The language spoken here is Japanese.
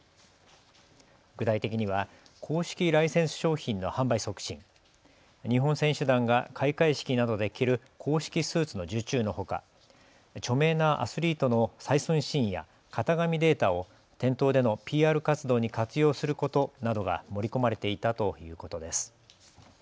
具体的には公式ライセンス商品の販売促進、日本選手団が開会式などで着る公式スーツの受注のほか著名なアスリートの採寸シーンや型紙データを店頭でのＰＲ活動に活用することなどが盛り込まれていたということです。